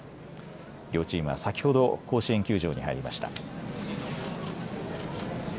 両チームは先ほど甲子園球場に入りました。